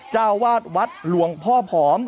เจ้าวาดวัดหลวงพ่อผอม